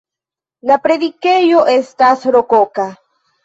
La predikejo estas rokoka.